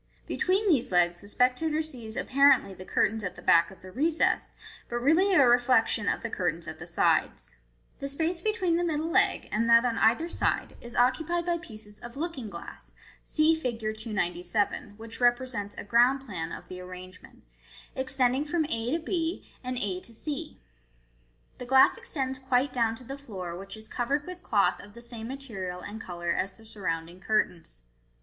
Be tween these legs the spectator sees apparently the curtains at the back of the recess, but really a reflection cf the curtains at the sides. The space between the middle leg and that on either side is occupied by 474 MODERN MA GIC. pieces of looking glass (see Fig. 297, which represents a ground plan of the arrangement), extending from a to 6, and a to c. The glass extends quite down to the floor, which is covered with cloth of the same material and colour as the surrounding curtains.